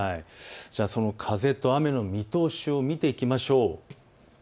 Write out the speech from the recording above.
風と雨の見通しを見ていきましょう。